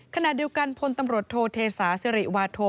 ขณะเดียวกันพลตำรวจโทเทศาสิริวาโท